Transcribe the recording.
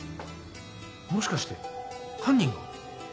もしかして犯人が？